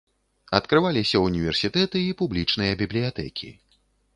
Адкрываліся ўніверсітэты і публічныя бібліятэкі.